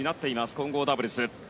混合ダブルス。